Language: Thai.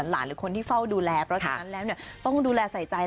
หรือคนที่เฝ้าดูแลเพราะฉะนั้นแล้วต้องดูแลใส่ใจ